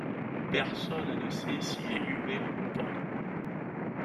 Personne ne sait s'il est humain ou pas.